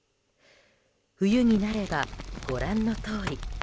冬になれば、ご覧のとおり。